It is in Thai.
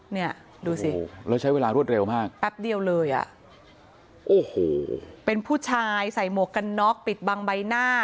เนี่ยดูสิแปปเดียวเลยอ่ะโอ้โหเป็นผู้ชายใส่หมวกกันน็อกปิดบางใบหน้า